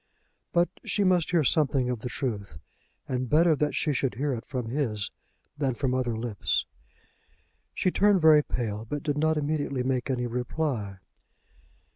But she must hear something of the truth, and better that she should hear it from his than from other lips. She turned very pale, but did not immediately make any reply.